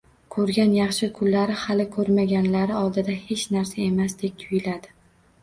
Ko‘rgan yaxshi kunlari hali ko‘rmaganlari oldida hech narsa emasdek tuyuladi